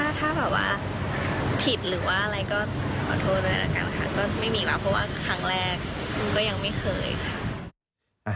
ไม่มีหลับเพราะว่าครั้งแรกก็ยังไม่เคยค่ะ